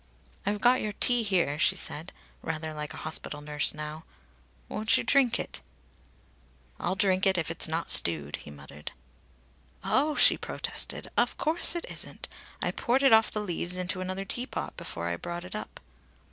"I've got your tea here," she said, rather like a hospital nurse now. "Won't you drink it?" "I'll drink it if it's not stewed," he muttered. "Oh!" she protested. "Of course it isn't! I poured it off the leaves into another teapot before I brought it up."